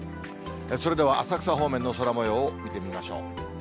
それでは浅草方面の空もようを見てみましょう。